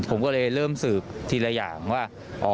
ผมก็เลยเริ่มสืบทีละอย่างว่า